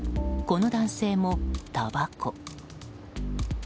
この男性も、たばこ。